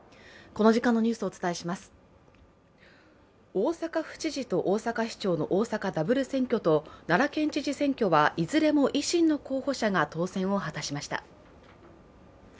大阪府知事と大阪市長の大阪ダブル選挙と奈良県知事選挙はいずれも維新の候補者が当選を果たしました。